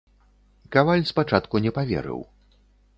Каваль спачатку не паверыў.